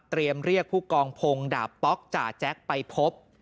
เตรียมเรียกผู้กองพงดาบป๊อกจ่าแจ๊กไปพบ